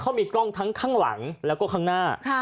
เขามีกล้องทั้งข้างหลังแล้วก็ข้างหน้า